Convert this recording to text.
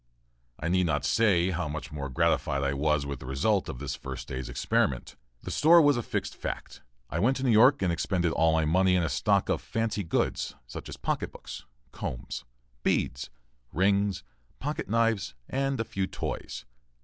I need not say how much gratified I was with the result of this first day's experiment. The store was a fixed fact. I went to New York and expended all my money in a stock of fancy goods, such as pocket books, combs, beads, rings, pocket knives, and a few toys.